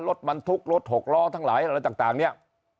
ลดมันทุกข์ลดหกล้อทั้งหลายอะไรต่างเนี่ย